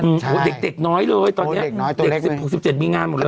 โอ้โหเด็กน้อยเลยตอนนี้เด็ก๑๖๑๗มีงานหมดแล้ว